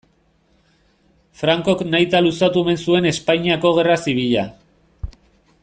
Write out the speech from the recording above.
Francok nahita luzatu omen zuen Espainiako gerra zibila.